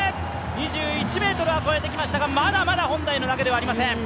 ２１ｍは越えてきましたが、まだまだ本来の投げではございません。